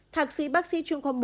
thạc sĩ bác sĩ trung khoa một